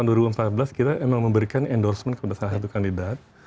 tahun dua ribu empat belas kita memang memberikan endorsement kepada salah satu kandidat